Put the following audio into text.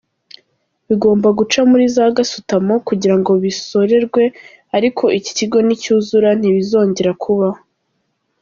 Bigomba guca muri za gasutamo kugira ngo bisorerwe ariko iki kigo nicyuzura ntibizongera kubaho.